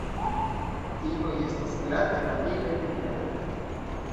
Tigoj estas glataj, maldikaj kaj verdaj.